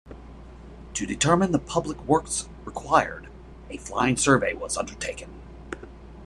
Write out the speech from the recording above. To determine the public works required, a flying survey was undertaken.